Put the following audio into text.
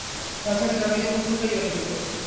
রাজাকে জড়াইয়া মুখ লুকাইয়া রহিল।